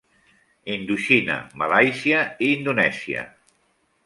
Indoxina, Malàisia i Indonèsia.